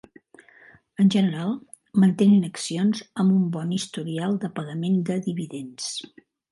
En general, mantenen accions amb un bon historial de pagament de dividends.